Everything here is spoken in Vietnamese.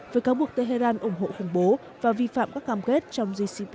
với các buộc tehran ủng hộ khủng bố và vi phạm các cam kết trong gcpoa